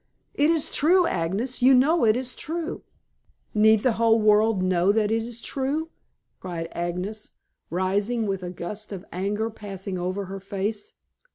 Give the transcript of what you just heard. "It is true! Agnes, you know it is true!" "Need the whole world know that it is true?" cried Agnes, rising, with a gust of anger passing over her face.